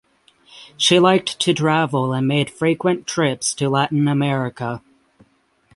She liked to travel and made frequent trips to Latin America.